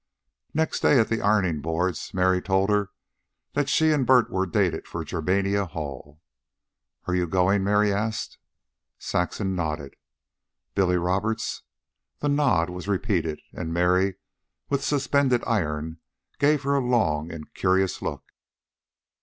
Next day, at the ironing boards, Mary told her that she and Bert were dated for Germania Hall. "Are you goin'?" Mary asked. Saxon nodded. "Billy Roberts?" The nod was repeated, and Mary, with suspended iron, gave her a long and curious look.